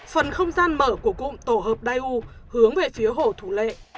phần không gian mở của cụm tổ hợp đài u hướng về phía hổ thủ lệ